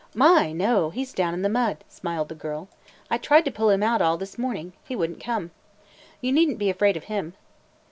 "My, no! He 's down in the mud," smiled the girl. "I tried to pull him out all this morning. He would n't come. You need n't be afraid of him."